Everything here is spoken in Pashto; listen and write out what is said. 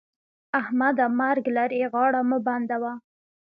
احمده! مرګ لرې؛ غاړه مه بندوه.